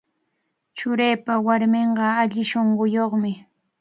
Churiipa warminqa alli shunquyuqmi.